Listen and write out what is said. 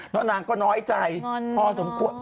แล้วนางก็น้อยใจพอสมควร